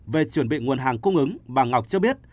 về chuẩn bị nguồn hàng cung ứng bà ngọc cho biết